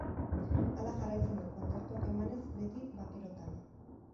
Hala jarraitzen du, kontzertuak emanez, beti bakerotan.